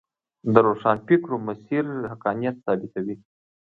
د روښانفکرو مسیر حقانیت ثابتوي.